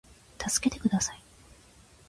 たすけてください